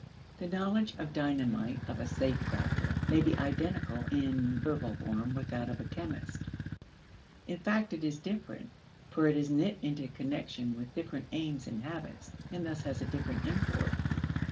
The knowledge of dynamite of a safecracker may be identical in verbal form with that of a chemist; in fact, it is different, for it is knit into connection with different aims and habits, and thus has a different import.